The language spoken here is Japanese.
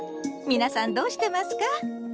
皆さんどうしてますか？